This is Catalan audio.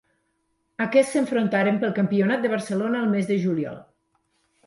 Aquests s'enfrontaren pel campionat de Barcelona el mes de juliol.